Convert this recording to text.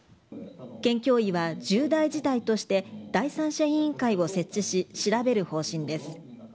県教委は重大事態として第三者委員会を設置し調べる方針です。